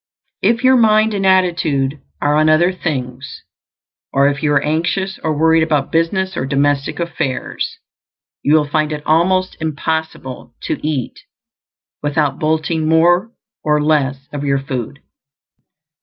If your mind and attitude are on other things, or if you are anxious or worried about business or domestic affairs, you will find it almost impossible to eat without bolting more or less of your food.